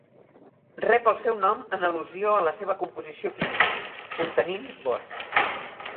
Rep el seu nom en al·lusió a la seva composició química, contenint bor.